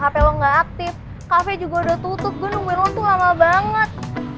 hape lo gak aktif cafe juga udah tutup gue nungguin lo tuh lama banget